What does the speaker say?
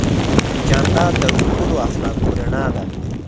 جانداد د ښکلو اخلاقو رڼا ده.